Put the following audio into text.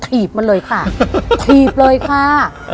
ถีบมันเลยค่ะถีบเลยค่ะเออ